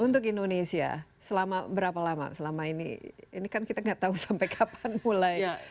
untuk indonesia selama berapa lama selama ini ini kan kita nggak tahu sampai kapan mulai